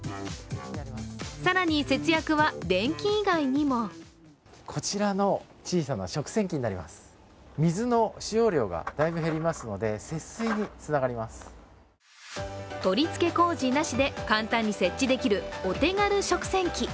更に節約は電気以外にも取り付け工事なしで簡単に設置できるお手軽食洗機。